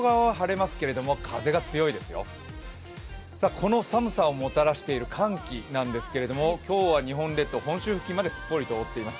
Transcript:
この寒さをもたらしている寒気ですが今日は日本列島、本州付近まですっぽりと覆っています。